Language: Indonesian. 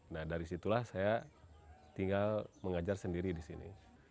nah dari situlah saya tinggal mengajar sendiri di sini